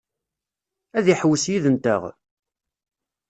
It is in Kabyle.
Ad iḥewwes yid-nteɣ?